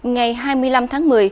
ngày hai mươi năm tháng một mươi